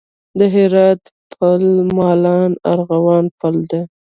د هرات پل مالان ارغوان پل دی